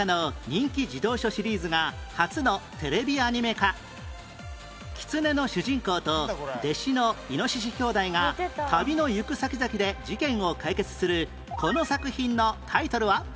１８年前キツネの主人公と弟子のイノシシ兄弟が旅の行く先々で事件を解決するこの作品のタイトルは？